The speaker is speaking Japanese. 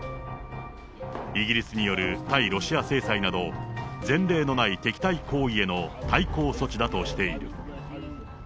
イギリスによる対ロシア制裁など、前例のない敵対行為への対抗措置だとしている。